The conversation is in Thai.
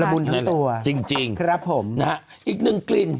ระบุนทั้งตัวครับผมจริงนะฮะอีกหนึ่งกลิ่น